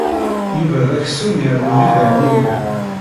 Yuba d aksum yernu d idammen-inu.